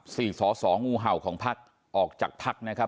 สี่สอสองูเห่าของพักออกจากพักนะครับ